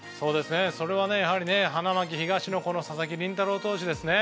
それは、花巻東の佐々木麟太郎選手ですね。